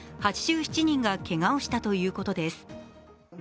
８７人がけがをしたということです。